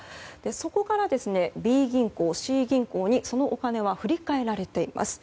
そこからＢ銀行、Ｃ銀行にそのお金は振り返られています。